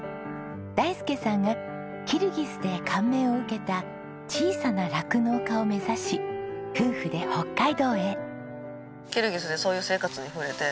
大介さんがキルギスで感銘を受けた小さな酪農家を目指し夫婦で北海道へ。